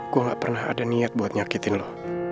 gue gak pernah ada niat buat nyakitin loh